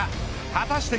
果たして